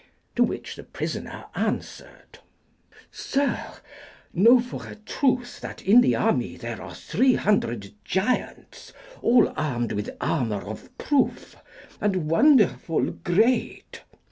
To which the prisoner answered, Sir, know for a truth that in the army there are three hundred giants, all armed with armour of proof, and wonderful great.